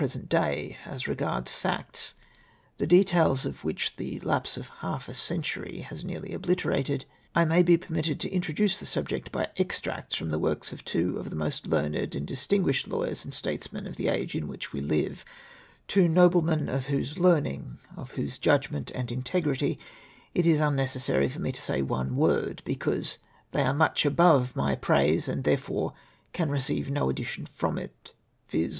present day, as regards facts, tlie details of Avliich the lapse of half a century has nearly obliterated, I may be permitted to introduce the subject by extracts from the works of two of the most learned and distinguished lawyers and statesmen of the age in wliich we hve — two noblemen, of whose learning, of Avhose judgment and integrity it is lumecessary for me to say one word, because they are much above my praise, and therefore can receive no addition from it — viz.